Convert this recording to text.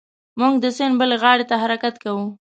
موږ د سیند بلې غاړې ته حرکت کاوه.